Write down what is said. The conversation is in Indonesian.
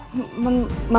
ma kok ada polisi ma